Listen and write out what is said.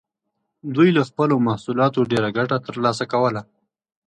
دوی له خپلو محصولاتو ډېره ګټه ترلاسه کوله.